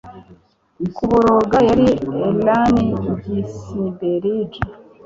kuboroga ya allen ginsberg